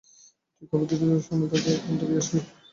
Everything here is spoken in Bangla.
তুই খাবার দিতে যাওয়ার সময় তাকে এই ফোনটা দিয়ে আসবি।